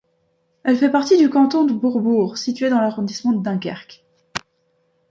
Elle fait partie du canton de Bourbourg, situé dans l'arrondissement de Dunkerque.